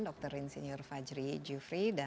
dr rinsinyur fajri jufri